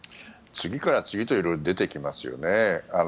次から次へと色々と出てきますよね。